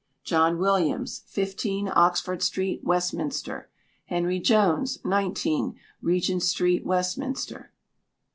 JOHN WILLIAMS, 15, Oxford Street, Westminster. HENRY JONES, 19, Regent Street, Westminster.